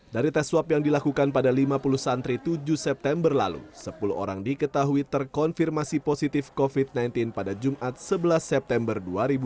dari tes swab yang dilakukan pada lima puluh santri tujuh september lalu sepuluh orang diketahui terkonfirmasi positif covid sembilan belas pada jumat sebelas september dua ribu dua puluh